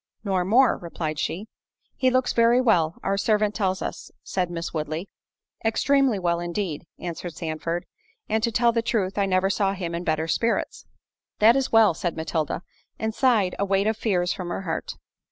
"Nor more:" replied she. "He looks very well, our servant tells us," said Miss Woodley. "Extremely well indeed," answered Sandford: "and to tell the truth, I never saw him in better spirits." "That is well—" said Matilda, and sighed a weight of fears from her heart.